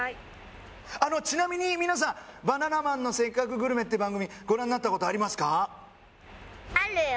あのちなみに皆さん「バナナマンのせっかくグルメ！！」って番組ご覧になったことありますか？